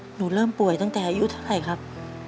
หนูเริ่มป่วยตั้งแต่อายุเท่าไหร่ครับ